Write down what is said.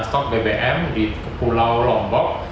stok bbm di pulau lombok